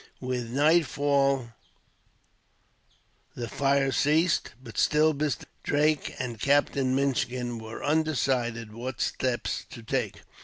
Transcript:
With nightfall the fire ceased, but still Mr. Drake and Captain Minchin were undecided what steps to take.